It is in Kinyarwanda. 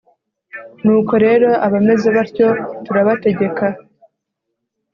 Nuko rero abameze batyo turabategeka